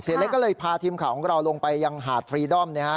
เล็กก็เลยพาทีมข่าวของเราลงไปยังหาดฟรีดอม